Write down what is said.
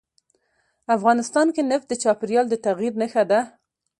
افغانستان کې نفت د چاپېریال د تغیر نښه ده.